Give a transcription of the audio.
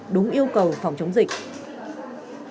đúng yêu cầu phòng chống dịch